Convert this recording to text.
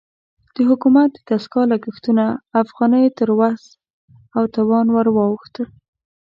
د حکومت د دستګاه لګښتونه د افغانیو تر وس او توان ورواوښتل.